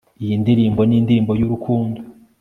Iyi ndirimbo nindirimbo yurukundo